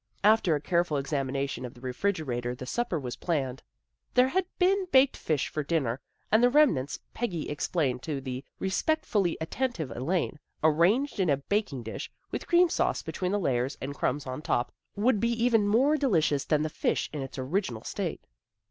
After a careful examination of the refrigera tor the supper was planned. There had been baked fish for dinner, and the remnants, Peggy explained to the respectfully attentive Elaine, arranged in a baking dish, with cream sauce between the layers and crumbs on top, would be even more delicious than the fish in its origi nal state.